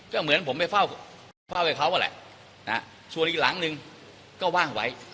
ก็เหมือนผมไปเฝ้ากับเขานั่นแหละส่วนอีกหลังนึงก็ว่างไว้